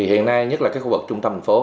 hiện nay nhất là khu vực trung tâm thành phố